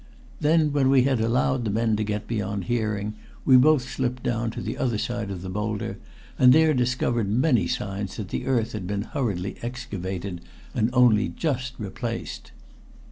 Then when we had allowed the men to get beyond hearing, we both slipped down to the other side of the boulder and there discovered many signs that the earth had been hurriedly excavated and only just replaced.